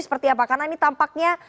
seperti apa karena ini tampaknya